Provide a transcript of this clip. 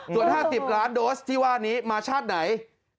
ส่วน๕๐ล้านโดสที่ว่านี้มาชาติไหน